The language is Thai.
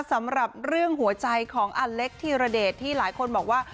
สำหรับเรื่องหัวใจของอเล็กธีรเดชที่หลายคนบอกว่า